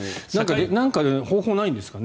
何か方法がないんですかね。